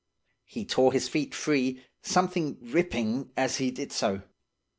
He tore his feet free, something ripping as he did so.